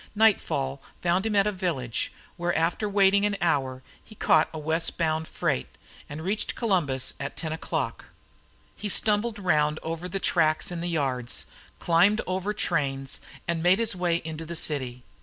Nightfall found him at a village, where after waiting an hour he caught a westbound freight, and reached Columbus at ten o'clock. He stumbled round over the tracks in the yards, climbed over trains, and made his way into the city.